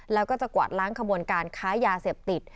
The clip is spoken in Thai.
แล้วก็จะกวาดล้างขบวนการค้ายาเสพติด